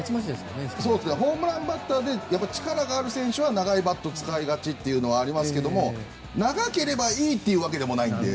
ホームランバッターで力がある選手は長いバッチを使いがちというのはありますが長ければいいっていうわけでもないので。